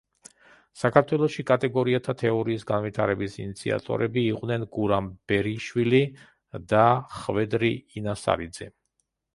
საქართველოში კატეგორიათა თეორიის განვითარების ინიციატორები იყვნენ გურამ ბერიშვილი და ხვედრი ინასარიძე.